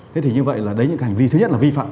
thế thì như vậy là đấy những hành vi thứ nhất là vi phạm